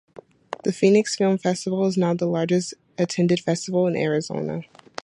The Phoenix Film Festival is now the largest attended festival in Arizona.